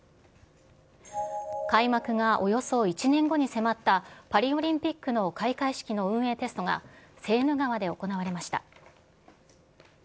開幕がおよそ１年後に迫った、パリオリンピックの開会式の運営テストが、セーヌ川で行われました。